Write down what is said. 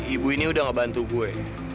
ibu ini udah ngebantu gue